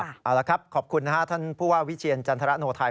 ครับเอาละครับขอบคุณครับท่านผู้ว่าวิจินทรานนโทไทย